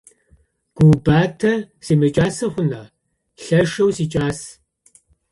Гуубатэ симыкӀасэ хъуна! Лъэшэу сикӀас.